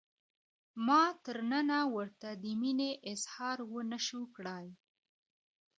ما تر ننه ورته د مینې اظهار ونشو کړای.